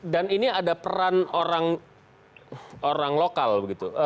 dan ini ada peran orang lokal begitu